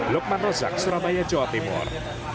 lukman rozak surabaya jawa timur